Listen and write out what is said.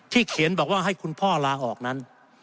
เขียนบอกว่าให้คุณพ่อลาออกนั้น